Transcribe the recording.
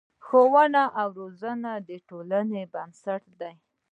ښوونه او روزنه د ټولنې بنسټ دی.